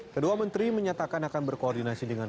kedua menteri menyatakan akan berkoordinasi dengan